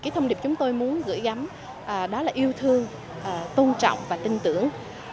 thông điệp chúng tôi muốn gửi gắm đó là yêu thương tôn trọng và tin tưởng